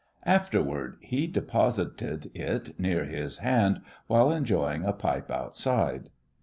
Afterward he deposited it near his hand while enjoying a pipe outside.